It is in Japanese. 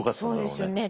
そうですよね。